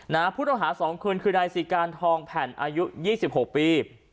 ผู้ต้องหาสองคืนคือนายสิการทองแผ่นอายุยี่สิบหกปี